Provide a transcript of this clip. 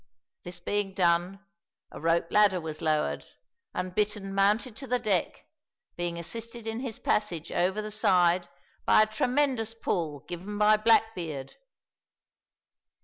This being done, a rope ladder was lowered and Bittern mounted to the deck, being assisted in his passage over the side by a tremendous pull given by Blackbeard.